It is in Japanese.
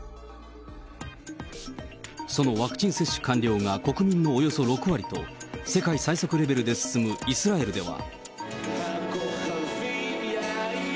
そのワクチン接種完了が国民のおよそ６割と、世界最速レベルで進むイスラエルでは。